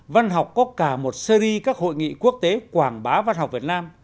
văn học có cả một series các hội nghị quốc tế quảng bá văn học việt nam